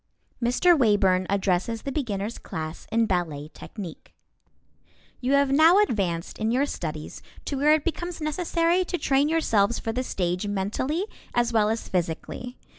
MR. WAYBURN ADDRESSES THE BEGINNERS' CLASS IN BALLET TECHNIQUE You have now advanced in your studies to where it becomes necessary to train yourselves for the stage mentally as well as physically.